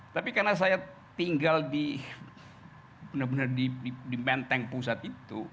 tapi karena saya tinggal di benar benar di menteng pusat itu